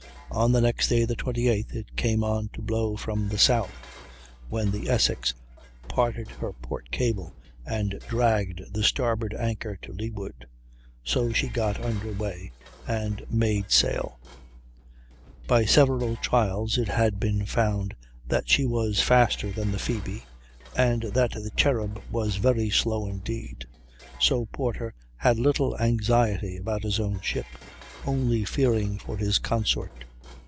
On the next day, the 28th, it came on to blow from the south, when the Essex parted her port cable and dragged the starboard anchor to leeward, so she got under way, and made sail; by several trials it had been found that she was faster than the Phoebe, and that the Cherub was very slow indeed, so Porter had little anxiety about his own ship, only fearing for his consort.